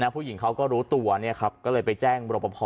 ผู้หญิงเขาก็รู้ตัวเลยไปแจ้งโรงประพอ